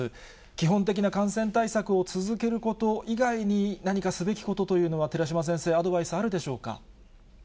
基本的な感染対策を続けること以外に、何かすべきことというのは、寺嶋先生、アドバイスあるでしょうか。